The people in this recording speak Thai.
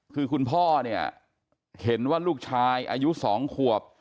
คือคุณพ่อเนี่ยเห็นว่าลูกชายอายุ๒ขวบ